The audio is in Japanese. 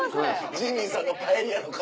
ジミーさんのパエリアの会。